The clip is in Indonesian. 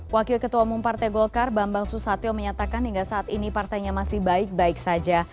wakil ketua umum partai golkar bambang susatyo menyatakan hingga saat ini partainya masih baik baik saja